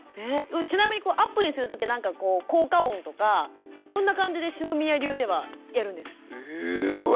ちなみにアップにする時は何か効果音とかどんな感じで篠宮流ではやるんですか？